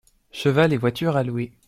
Cheval et voiture à louer.